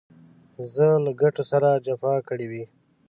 زه له ګټو سره جفا کړې وي.